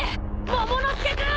モモの助君！